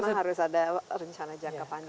jadi memang harus ada rencana jangka panjang ya